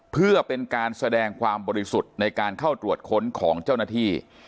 เพื่อเป็นการแสดงความบริสุทธิ์ในการเข้าตรวจค้นของเจ้าหน้าที่